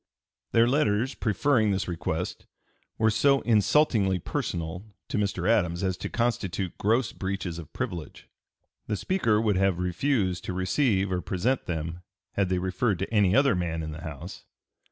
Their letters preferring this request were "so insulting personally" to Mr. Adams as to constitute "gross breaches of privilege." "The Speaker would have refused to receive or present them had they referred to any other man in the House."